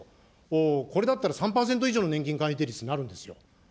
これだったら３％以上の年金改定率になるんですよ。